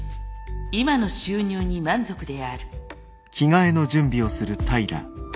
今の収入に満足である。